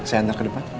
saya antar ke depan